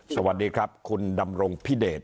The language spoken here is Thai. สวัสดีครับคุณดำรงพิเดช